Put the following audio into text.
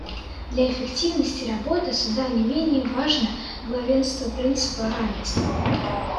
Для эффективности работы Суда не менее важно главенство принципа равенства.